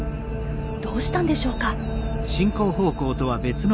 どうしたんでしょうか？